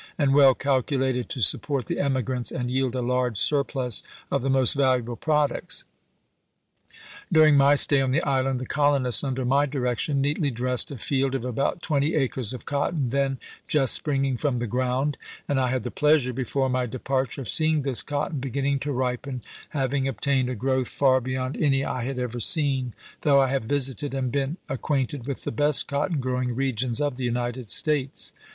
. and well calculated to support the emigrants and yield a large surplus of the most valuable products. .. During my stay on the island the colonists, under my direction, neatly dressed a field of about twenty acres of cotton then just springing from the ground, and I had the pleasure, before my departure, of seeing this cotton beginning to ripen, having obtained a growth far beyond any I had ever seen, though I have visited and been ac quainted with the best cotton growing regions of the United States."